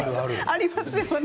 ありますよね。